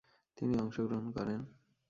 তিনি অংশগ্রহণ করেন ।